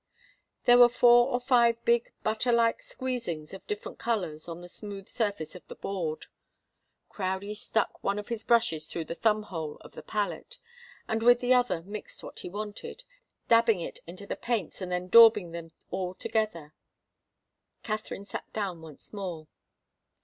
There were four or five big, butter like squeezings of different colours on the smooth surface of the board. Crowdie stuck one of his brushes through the thumb hole of the palette, and with the other mixed what he wanted, dabbing it into the paints and then daubing them all together. Katharine sat down once more.